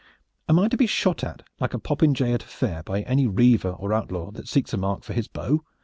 "Am I to be shot at like a popinjay at a fair, by any reaver or outlaw that seeks a mark for his bow?"